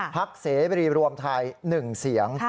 เสรีรวมไทย๑เสียง